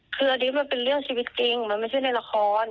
คืออันนี้มันเป็นเรื่องชีวิตจริงมันไม่ใช่ในละคร